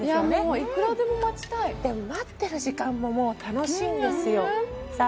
いくらでも待ちたい待ってる時間も楽しいんですよさあ